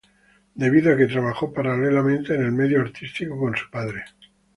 Debido a que trabajó paralelamente en el medio artístico con su padre.